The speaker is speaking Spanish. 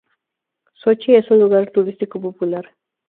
Sochi es un lugar turístico popular.